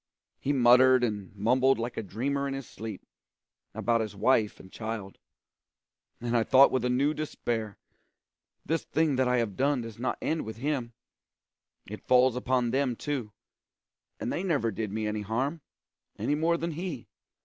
He muttered and mumbled like a dreamer in his sleep, about his wife and child; and I thought with a new despair, 'This thing that I have done does not end with him; it falls upon them too, and they never did me any harm, any more than he.'